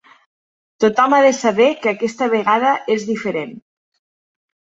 Tothom ha de saber que aquesta vegada és diferent.